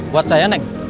buat saya nek